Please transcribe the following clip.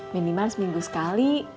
minimal seminggu sekali